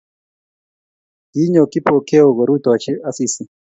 Kinyo Kipokeo korutochi Asisi